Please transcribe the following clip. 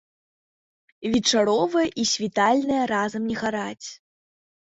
Вечаровая і світальная разам не гараць.